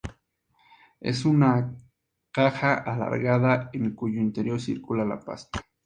Es una caja alargada, en cuyo interior circula la pasta.